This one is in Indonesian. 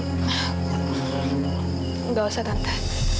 tidak usah tante